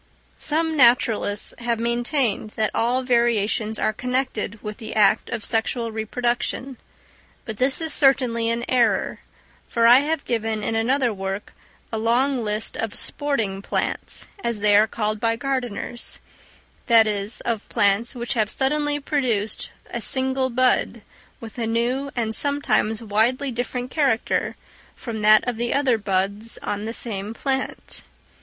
Some naturalists have maintained that all variations are connected with the act of sexual reproduction; but this is certainly an error; for I have given in another work a long list of "sporting plants;" as they are called by gardeners; that is, of plants which have suddenly produced a single bud with a new and sometimes widely different character from that of the other buds on the same plant.